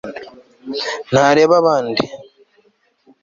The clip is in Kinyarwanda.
ntareba abandi